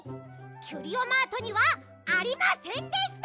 キュリオマートにはありませんでした！